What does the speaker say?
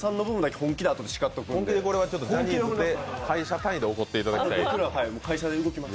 本気でこれは会社単位で怒っていただきたい。